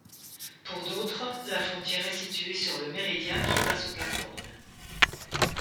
Pour d'autres, la frontière est située sur le méridien qui passe au cap Horn.